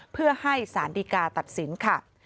เพื่อให้สารดีกาตัดสินค่ะ